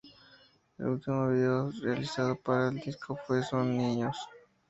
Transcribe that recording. El último vídeo realizado para el disco fue "Son niños".